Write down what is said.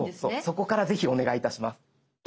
そこからぜひお願いいたします。